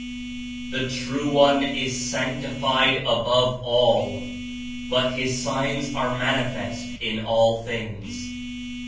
"The True One is sanctified above all, (but) His Signs are manifest in all things.